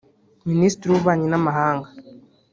Minisitiri w’ububanyi n’amahanga